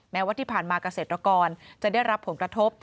แม้ว่าที่ผ่านมาเกษตรกรจะได้รับผลกระทบ